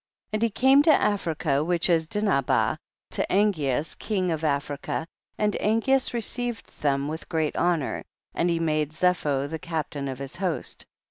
2. And he came to Africa, which is Dinhabah, to Angeas king of Af rica, and Angeas received them with great honor, and he made Zepho the captain of his host.